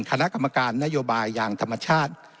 คณะกรรมการนโยบายอย่างธรรมชาติ